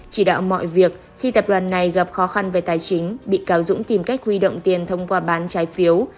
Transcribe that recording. chỉ đạo mọi việc khi tập đoàn này gặp khó khăn về tài chính bị cáo dũng tìm cách huy động tiền thông qua bán trái phiếu